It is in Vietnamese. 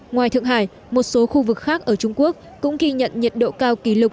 ngoài thượng hải một số khu vực khác ở trung quốc cũng ghi nhận nhiệt độ cao kỷ lục